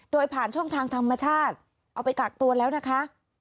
โดยผ่านช่องทางธรรมชาติเอาไปกักตัวแล้วนะคะ